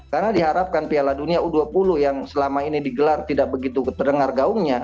karena diharapkan piala dunia u dua puluh yang selama ini digelar tidak begitu terdengar gaungnya